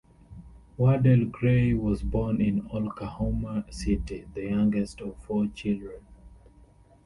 Wardell Gray was born in Oklahoma City, the youngest of four children.